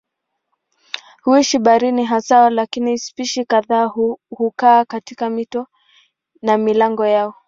Huishi baharini hasa lakini spishi kadhaa hukaa katika mito na milango yao.